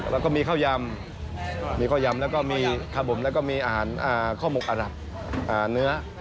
แล้วก็มีข้าวยำแล้วก็มีอาหารข้อมกอรับเนื้อ